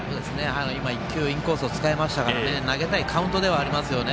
１球、インコースを使いましたから投げたいカウントではありますよね。